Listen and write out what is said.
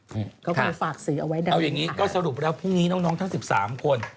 อืมค่ะเอาอย่างนี้ก็สรุปแล้วพรุ่งนี้น้องทั้ง๑๓คน